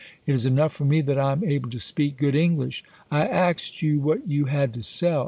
It is enough for me that I am able to speak good English. I axM you what you had to sell.